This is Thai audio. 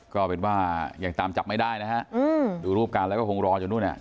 ก็เป็นว่ายังตามจับไม่ได้นะฮะดูรูปการแล้วก็คงรอจนนู่นอ่ะ